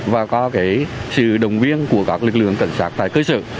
và qua sự đồng viên của các lực lượng cảnh sát tại cơ sở